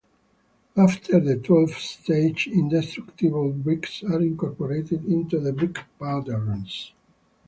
After the twelfth stage, indestructible bricks are incorporated into the brick patterns.